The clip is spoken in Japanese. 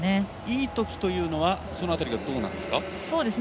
いいときというのはその辺りはどうなんですか。